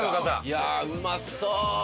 いやあうまそう！